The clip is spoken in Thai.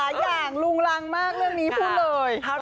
หลายอย่างลุงรังมากเรื่องนี้พูดเลย